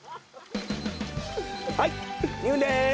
はい２分です！